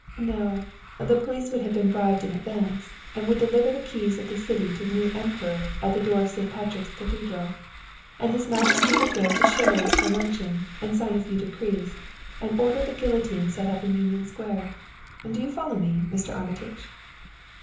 "No; the police would have been bribed in advance, and would deliver the keys of the city to the new emperor at the door of St. Patrick's Cathedral, and his majesty would go to Sherry's for luncheon, and sign a few decrees, and order the guillotine set up in Union Square. Do you follow me, Mr. Armitage?"